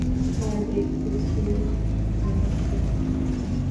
হ্যাঁ, দেখেছি, ও একাই আছে।